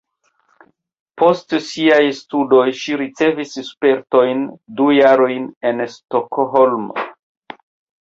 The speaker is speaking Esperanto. Post siaj studoj ŝi ricevis spertojn du jarojn en Stokholmo.